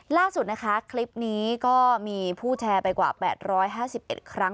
ล่าสุดนะคะคลิปนี้ก็มีผู้แชร์ไปกว่า๘๕๑ครั้ง